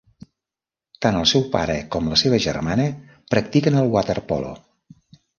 Tant el seu pare com la seva germana practiquen el waterpolo.